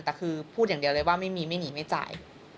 แต่คือพูดอย่างเดียวเลยว่าไม่มีไม่หนีไม่จ่าย